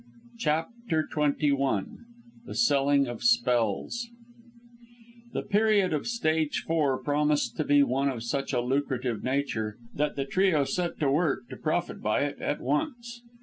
CHAPTER XXI THE SELLING OF SPELLS The period of stage four promised to be one of such a lucrative nature, that the trio set to work to profit by it at once.